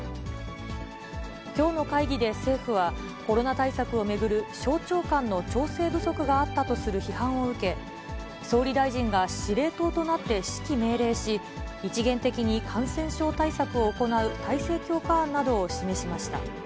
きょうの会議で政府は、コロナ対策を巡る省庁間の調整不足があったとする批判を受け、総理大臣が司令塔となって指揮命令し、一元的に感染症対策を行う体制強化案などを示しました。